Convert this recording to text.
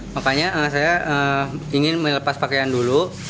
makanya saya ingin melepas pakaian dulu